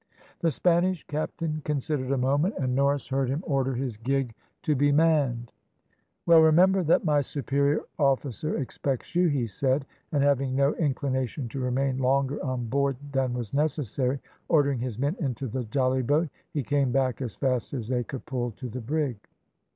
"The Spanish captain considered a moment, and Norris heard him order his gig to be manned. "`Well, remember that my superior officer expects you,' he said, and having no inclination to remain longer on board than was necessary, ordering his men into the jollyboat, he came back as fast as they could pull to the brig.